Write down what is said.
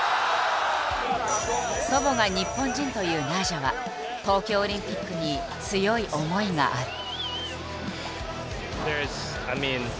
祖母が日本人というナイジャは東京オリンピックに強い思いがある。